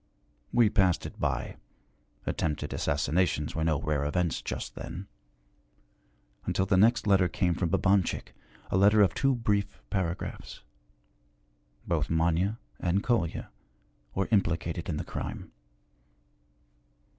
We passed it by attempted assassinations were no rare events just then until the next letter came from Babanchik, a letter of two brief paragraphs. Both Manya and Kolya were implicated in the crime.